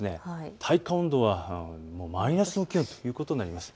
体感温度はマイナスの気温ということになります。